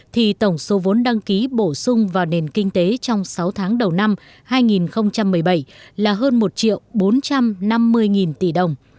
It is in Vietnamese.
thì tổng số vốn đăng ký bổ sung vào nền kinh tế trong sáu tháng đầu năm hai nghìn một mươi bảy là hơn một bốn trăm năm mươi tỷ đồng